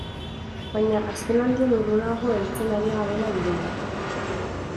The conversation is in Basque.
Baina azkenaldion urrunago heltzen ari garela dirudi.